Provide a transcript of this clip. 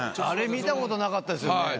あれ見たことなかったですよね。